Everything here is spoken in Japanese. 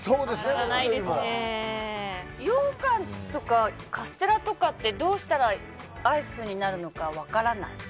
ようかんとかカステラとかってどうしたらアイスになるのか分からない。